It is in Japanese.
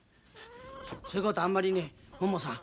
そういうことあんまりねももさん